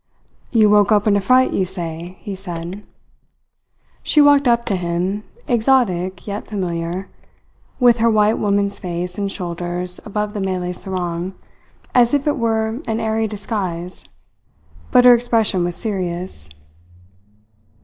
"You woke up in a fright, you say?" he said. She walked up to him, exotic yet familiar, with her white woman's face and shoulders above the Malay sarong, as if it were an airy disguise, but her expression was serious.